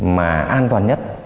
mà an toàn nhất